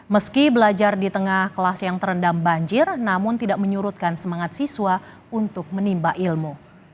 meski belajar di tengah kelas yang terendam banjir namun tidak menyurutkan semangat siswa untuk menimba ilmu